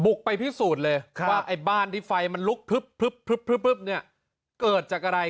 บุกไปพิสูจน์เลยว่าบ้านที่ไฟมันลุกเกิดจากอะไร